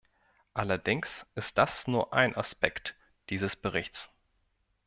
Allerdings ist das nur ein Aspekt dieses Berichts.